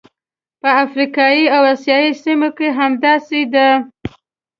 په افریقایي او اسیايي سیمو کې همداسې ده.